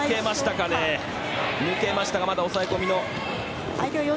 抜けましたがまだ抑え込みの。